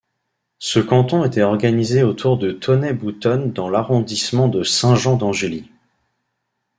Ce canton était organisé autour de Tonnay-Boutonne dans l'arrondissement de Saint-Jean-d'Angély.